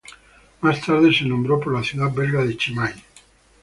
Más tarde se nombró por la ciudad belga de Chimay.